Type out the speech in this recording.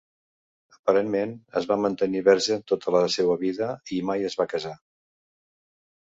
Aparentment es va mantenir verge tota la seva vida i mai es va casar.